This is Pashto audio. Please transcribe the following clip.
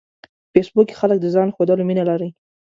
په فېسبوک کې خلک د ځان ښودلو مینه لري